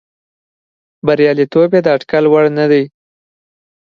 بریالیتوب یې د اټکل وړ نه دی.